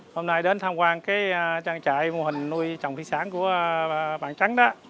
hôm nay đến tham quan cái trang trại mô hình nuôi trồng thị sản của bạn trắng đó